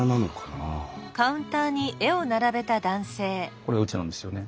これうちなんですよね。